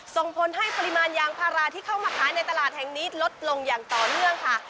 ส่งผลให้ปริมาณยางพาราที่เข้ามาขายในตลาดแห่งนี้ลดลงอย่างต่อเนื่องค่ะ